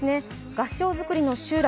合掌造りの集落。